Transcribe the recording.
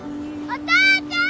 お父ちゃん！